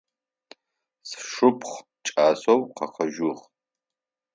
Сшыпхъу кӏасэу къэкӏожьыгъ.